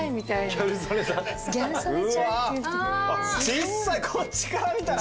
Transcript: ちっさいこっちから見たら。